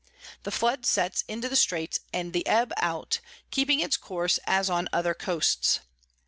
The Flood sets into the Straits, and the Ebb out, keeping its Course as on other Coasts.